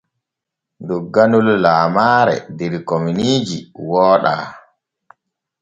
Dogganol lamaare der kominiiji wooɗa.